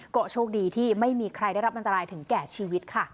ก็โชคดีที่ไม่มีใครได้รับอันตรายถึงแก่ชีวิตค่ะ